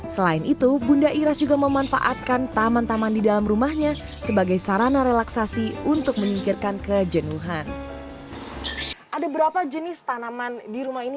selain itu bunda iras juga memanfaatkan taman taman di dalam rumahnya sebagai sarana relaksasi untuk menyingkirkan kejenuhan